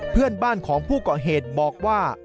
เพื่อนบ้านของผู้ก่อเหตุบอกว่า